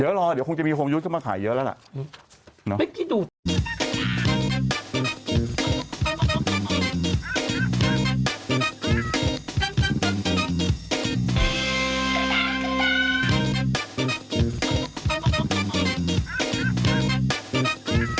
เดี๋ยวรอเดี๋ยวคงจะมีโฮมยุดเข้ามาขายเยอะแล้วล่ะ